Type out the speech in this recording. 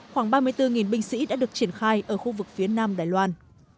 khoảng ba mươi bốn binh sĩ đã được triển khai ở khu vực phía nam đài loan